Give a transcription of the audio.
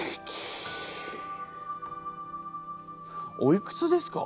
おいくつですか？